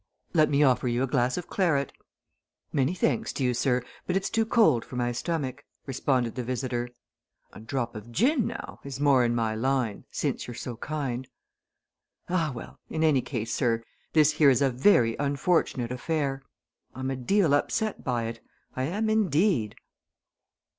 Let me offer you a glass of claret." "Many thanks to you, sir, but it's too cold for my stomach," responded the visitor. "A drop of gin, now, is more in my line, since you're so kind. Ah, well, in any case, sir, this here is a very unfortunate affair. I'm a deal upset by it I am indeed!"